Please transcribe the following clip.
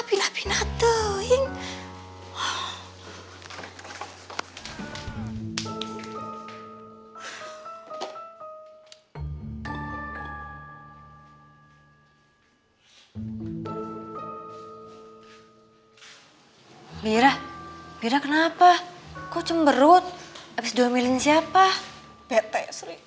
bira bira kenapa kau cemberut abis dua milen siapa bete